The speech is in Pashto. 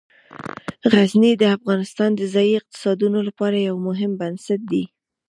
غزني د افغانستان د ځایي اقتصادونو لپاره یو مهم بنسټ دی.